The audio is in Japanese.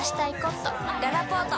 ららぽーと